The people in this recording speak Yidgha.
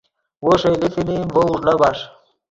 وو ݰئیلے فلم ڤؤ اوݱڑا بݰ